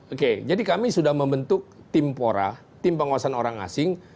oke jadi kami sudah membentuk tim pora tim pengawasan orang asing